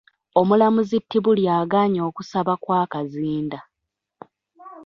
Omulamuzi Tibulya agaanye okusaba kwa Kazinda.